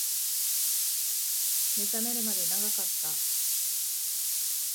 目覚めるまで長かった